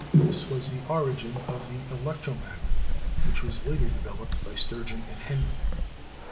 This was the origin of the electro mag net which was later developed by Sturgeon and Henry.